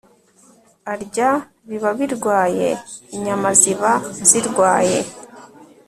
arya biba birwaye Inyama ziba zirwaye